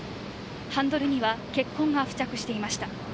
ハンドルには血痕が付着していました。